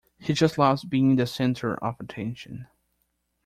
He just loves being the center of attention.